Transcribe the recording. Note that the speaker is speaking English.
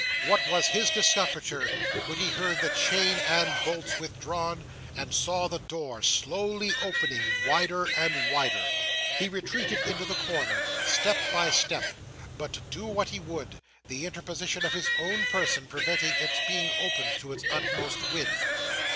What was his discomfiture, when he heard the chain and bolts withdrawn, and saw the door slowly opening, wider and wider! He retreated into the corner, step by step; but do what he would, the interposition of his own person, prevented its being opened to its utmost width.